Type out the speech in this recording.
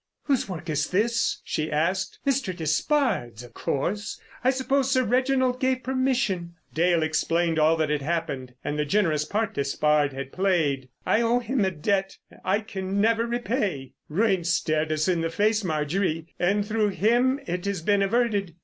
"Whose work is this?" she asked. "Mr. Despard's, of course! I suppose Sir Reginald gave permission——" Dale explained all that had happened, and the generous part Despard had played. "I owe him a debt I can never repay. Ruin stared us in the face, Marjorie, and through him it has been averted.